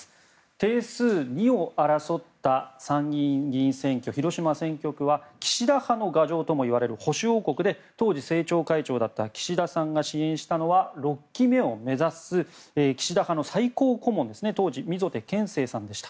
定数２を争った参議院議員選挙広島選挙区は岸田派の牙城ともいわれる保守王国で当時、政調会長だった岸田さんが支援したのは６期目を目指す岸田派の当時最高顧問溝手顕正さんでした。